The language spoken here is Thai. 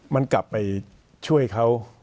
มันกลับไปช่วยเขา